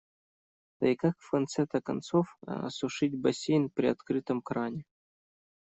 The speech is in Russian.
Да и как в конце-то концов осушить бассейн при открытом кране.